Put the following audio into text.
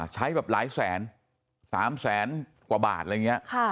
ใช้แบบหลายแสนสามแสนกว่าบาทอะไรเงี้ย